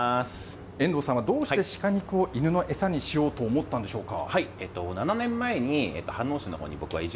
遠藤さんはどうして鹿肉を犬の餌にしようと思ったんでしょうか。